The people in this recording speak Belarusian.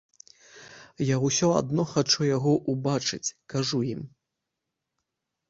Я ўсё адно хачу яго ўбачыць, кажу ім.